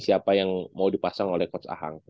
siapa yang mau dipasang oleh coach ahang